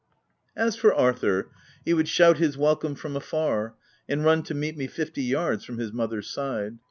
As for Arthur, he would shout his welcome from afar, and run to meet me fifty yards from his mother's side.